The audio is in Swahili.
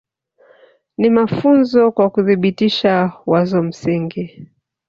Ni mafunzo kwa kuthibitisha wazo msingi